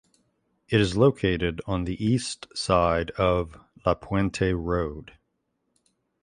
It is located on the east side of La Puente Rd.